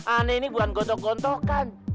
aneh ini bukan gotok gontokan